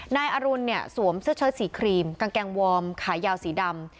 นายอรุณเนี่ยสวมเสื้อเชิดสีครีมกางเกงวอร์มขายาวสีดำ